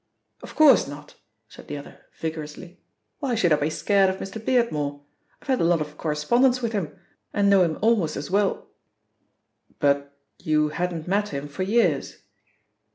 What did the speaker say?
"Of course not," said the other vigorously. "Why should I be scared of Mr. Beardmore? I've had a lot of correspondence with him, and know him almost as well " "But you hadn't met him for years?"